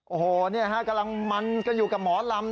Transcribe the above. โอ้โหนี่ฮะกำลังมันก็อยู่กับหมอลำ